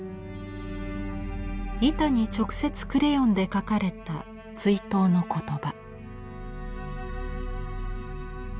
板に直接クレヨンで書かれた追悼の言葉。